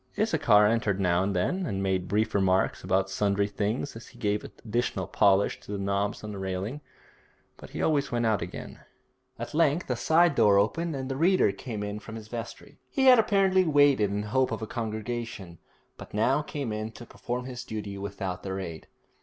Issachar entered now and then, and made brief remarks about sundry things as he gave additional polish to the knobs on the railing, but he always went out again. At length a side door opened and the reader came in from his vestry. He had apparently waited in hope of a congregation, but now came in to perform his duty without their aid.